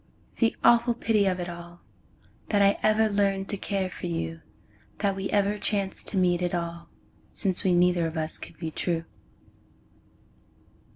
the awful pity of it all, That I ever learned to care for you, That we ever chanced to meet at all, Since we neither of us could be true.